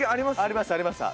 ありましたありました。